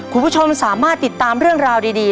คุณผู้ชมสามารถติดตามเรื่องราวดี